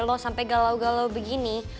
kalau sampai galau galau begini